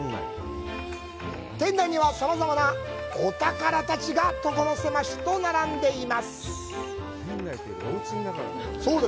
店内には、さまざまな骨とう品が所狭しと並んでいます。